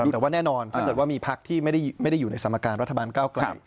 แต่ว่าแน่นอนถ้าเกิดว่ามีพักที่ไม่ได้อยู่ในสมการรัฐบาลก้าวไกล